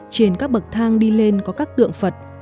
trên các bậc thang đi lên có các tượng phật